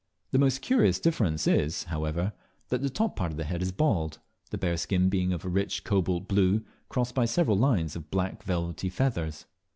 The most curious difference is, however, that the top of the head is bald, the bare skin being of a rich cobalt blue, crossed by several lines of black velvety feathers.